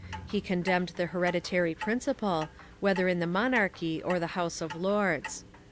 He condemned the hereditary principle, whether in the Monarchy or the House of Lords.